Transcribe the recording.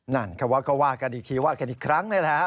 นั่นก็ว่าก็ว่ากันอีกทีว่ากันอีกครั้งนี่แหละ